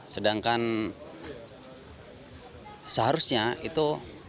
sedangkan seharusnya itu sembilan ratus